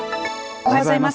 おはようございます。